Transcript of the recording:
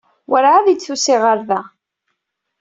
Werɛad i d-tusi ɣer da.